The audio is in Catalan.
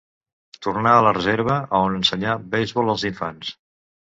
Tornà a la reserva, on ensenyà beisbol als infants.